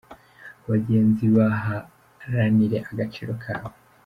Abagenzi baharanire agaciro kabo